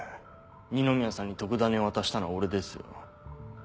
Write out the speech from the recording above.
二宮さんに特ダネを渡したのは俺ですよ。